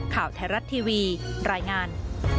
ข่าวไทยรัฐทีวีรายงาน